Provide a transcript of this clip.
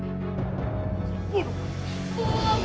bu aku takut bu